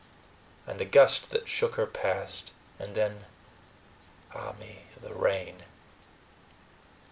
And the gust that shook her passed, and then, ah me! the rain.